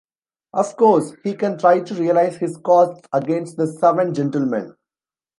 Of course, he can try to realise his costs against the seven gentlemen.